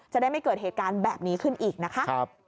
จะได้ไม่เกิดเหตุการณ์แบบนี้ขึ้นอีกนะคะ